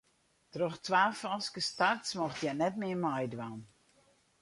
Troch twa falske starts mocht hja net mear meidwaan.